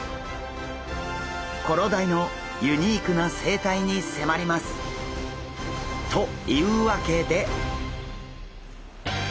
コロダイのユニークな生態に迫ります！というわけで！